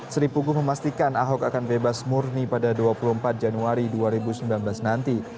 sri puguh memastikan ahok akan bebas murni pada dua puluh empat januari dua ribu sembilan belas nanti